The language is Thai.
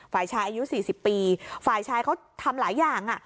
ฝ่ายชายอายุสี่สิบปีฝ่ายชายเขาทำหลายอย่างอ่ะ